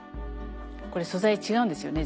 これ素材違うんですよね